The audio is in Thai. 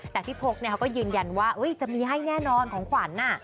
แต่พี่พกเขาก็ยืนยันว่าจะมีให้แน่นอนของขวัญ